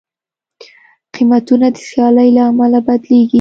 قیمتونه د سیالۍ له امله بدلېږي.